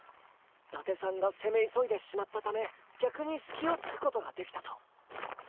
伊達さんが攻め急いでしまったため逆にスキをつくことができたと。